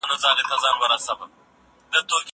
زه هره ورځ مکتب ته ځم!